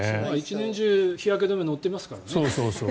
１年中日焼け止め塗ってますからね。